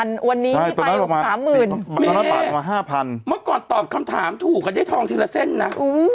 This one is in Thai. เมื่อก่อนตอบคำถามถูกจะทองทีละเส้นนะ